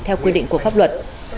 theo quy định của pháp luật